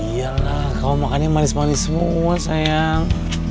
iya lah kalau makannya manis manis semua sayang